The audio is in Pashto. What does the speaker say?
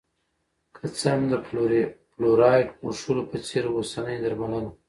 که څه هم د فلورایډ موښلو په څېر اوسنۍ درملنه